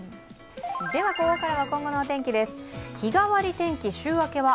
ここからは今後のお天気です。